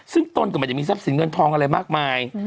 ซึ่งตนก็ไม่ได้มีทรัพย์สินเงินทองอะไรมากมาย